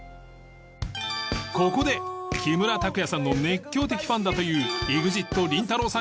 ここで木村拓哉さんの熱狂的ファンだという ＥＸＩＴ りんたろー。